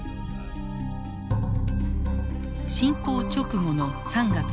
侵攻直後の３月初め